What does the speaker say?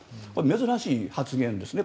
珍しい発言ですね。